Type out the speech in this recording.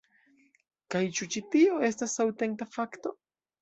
Kaj ĉu ĉi-tio estas aŭtenta fakto?